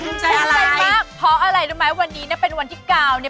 ภูมิใจมากเพราะอะไรรู้ไหมวันนี้เป็นวันที่กาวนี่